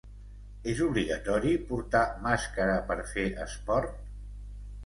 És obligatori portar màscara per fer esport?